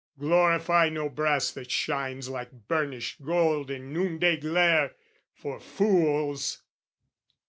Glorify no brass "That shines like burnished gold in noonday glare, "For fools!